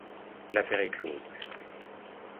L'affaire est close.